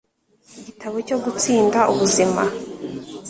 Igitabo cyo gutsinda ubuzima